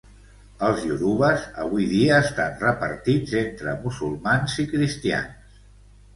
Els iorubes avui dia estan repartits entre musulmans i cristians.